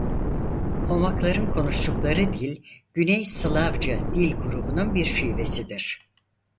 Pomaklar'ın konuştukları dil güney slavca dil grubunun bir şivesidir.